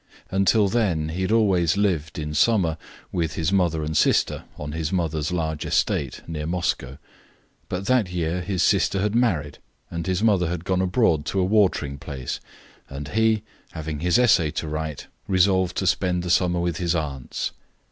Until then he had always lived, in summer, with his mother and sister on his mother's large estate near Moscow. But that year his sister had married, and his mother had gone abroad to a watering place, and he, having his essay to write, resolved to spend the summer with his aunts.